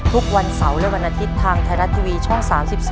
ทุกวันเสาร์และวันอาทิตย์ทางไทยรัฐทีวีช่อง๓๒